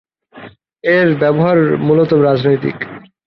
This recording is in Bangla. এর ব্যবহার মূলত রাজনৈতিক।